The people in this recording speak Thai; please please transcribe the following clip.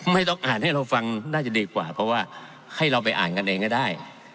ไม่ต้องอ่านให้เราฟังน่าจะดีกว่าเพราะว่าให้เราไปอ่านกันเองก็ได้